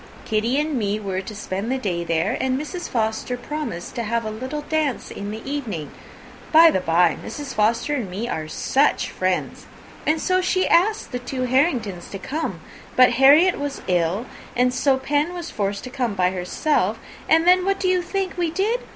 Kitty and me were to spend the day there, and Mrs. Forster promised to have a little dance in the evening; (by the bye, Mrs. Forster and me are such friends!) and so she asked the two Harringtons to come: but Harriet was ill, and so Pen was forced to come by herself; and then, what do you think we did?